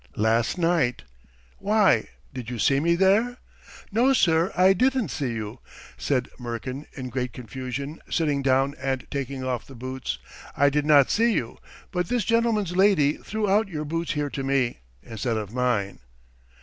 "Last night!" "Why, did you see me there?" "No, sir, I didn't see you," said Murkin in great confusion, sitting down and taking off the boots. "I did not see you, but this gentleman's lady threw out your boots here to me ... instead of mine."